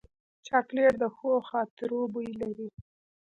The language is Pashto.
چاکلېټ د ښو خاطرو بوی لري.